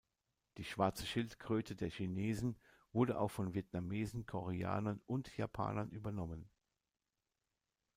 Die Schwarze Schildkröte der Chinesen wurde auch von Vietnamesen, Koreanern und Japanern übernommen.